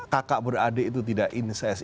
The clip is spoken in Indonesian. kakak beradik itu tidak inses